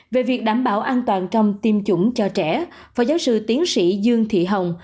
về việc đảm bảo an toàn trong tiêm chủng cho trẻ phó giáo sư tiến sĩ dương thị hồng